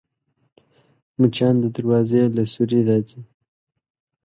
مچان د دروازې له سوري راځي